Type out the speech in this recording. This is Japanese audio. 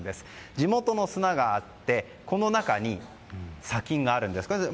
地元の砂があってこの中に砂金があるんです。